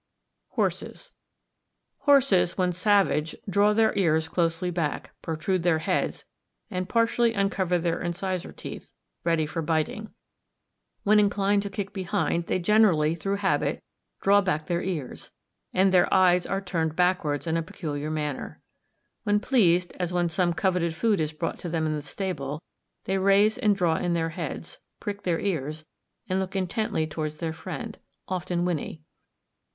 Horses.—Horses when savage draw their ears closely back, protrude their heads, and partially uncover their incisor teeth, ready for biting. When inclined to kick behind, they generally, through habit, draw back their ears; and their eyes are turned backwards in a peculiar manner. When pleased, as when some coveted food is brought to them in the stable, they raise and draw in their heads, prick their ears, and looking intently towards their friend, often whinny.